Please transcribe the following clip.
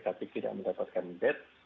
tapi tidak mendapatkan bed